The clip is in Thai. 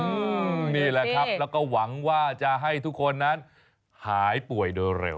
นี่แหละครับแล้วก็หวังว่าจะให้ทุกคนนั้นหายป่วยโดยเร็ว